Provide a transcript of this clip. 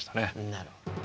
なるほど。